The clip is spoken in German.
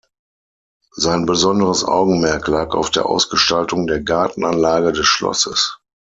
Sein besonderes Augenmerk lag auf der Ausgestaltung der Gartenanlage des Schlosses.